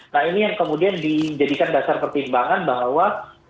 nah ini yang kemudian dijadikan dasar pertimbangan bahwa